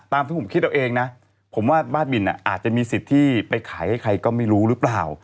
ที่ผมคิดเอาเองนะผมว่าบ้าบินอาจจะมีสิทธิ์ที่ไปขายให้ใครก็ไม่รู้หรือเปล่า